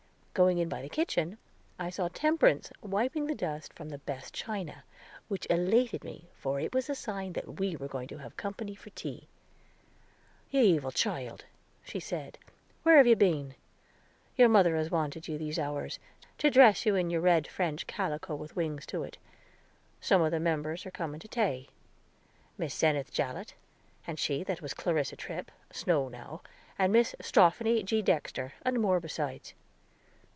Going in by the kitchen, I saw Temperance wiping the dust from the best china, which elated me, for it was a sign that we were going to have company to tea. "You evil child," she said, "where have you been? Your mother has wanted you these hours, to dress you in your red French calico with wings to it. Some of the members are coming to tea; Miss Seneth Jellatt, and she that was Clarissa Tripp, Snow now, and Miss Sophrony G. Dexter, and more besides."